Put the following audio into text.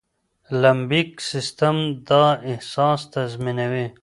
لمبیک سيستم دا احساس تنظيموي.